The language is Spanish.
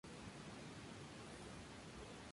Nació en Banjul.